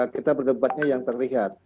kita berdebatnya yang terlihat